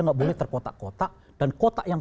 nggak boleh terkotak kotak dan kotak yang